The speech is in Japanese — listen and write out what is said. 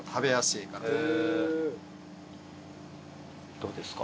どうですか？